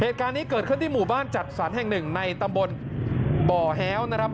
เหตุการณ์นี้เกิดขึ้นที่หมู่บ้านจัดสรรแห่งหนึ่งในตำบลบ่อแฮ้วนะครับ